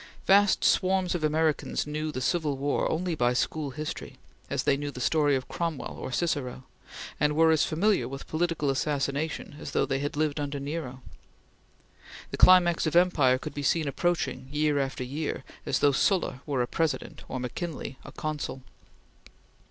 Vast swarms of Americans knew the Civil War only by school history, as they knew the story of Cromwell or Cicero, and were as familiar with political assassination as though they had lived under Nero. The climax of empire could be seen approaching, year after year, as though Sulla were a President or McKinley a Consul.